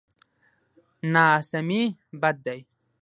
ناسمي بد دی.